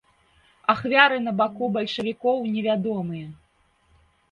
Ахвяры на баку бальшавікоў невядомыя.